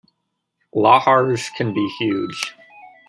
Lahars can be huge.